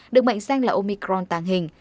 được mệnh danh là omicron tàng hình